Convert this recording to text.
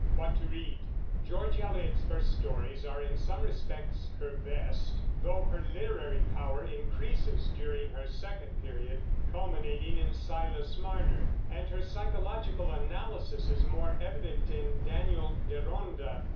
WHAT TO READ. George Eliot's first stories are in some respects her best, though her literary power increases during her second period, culminating in Silas Marner, and her psychological analysis is more evident in Daniel Deronda.